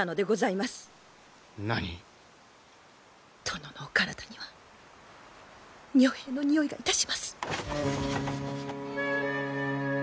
殿のお体には女兵の匂いがいたします。